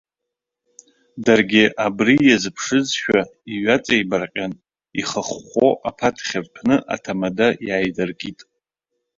Даргьы, абри иазыԥшызшәа, иҩаҵибарҟьан, ихыхәхәо аԥаҭхь рҭәны аҭамада иааидыркит.